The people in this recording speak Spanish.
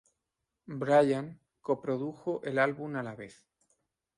Bryan co-produjo el álbum a la vez.